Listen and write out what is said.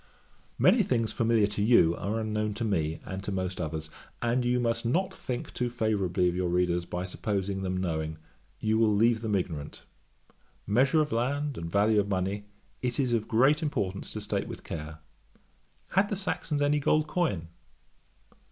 Many things familiar to you, are unknown to me, and to most others; and you must not think too favourably of your readers: by supposing them knowing, you will leave them ignorant. Measure of land, and value of money, it is of great importance to state with care. Had the Saxons any gold coin?